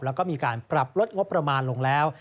แล้วก็มีการปรับลดงบประมาณลงแล้ว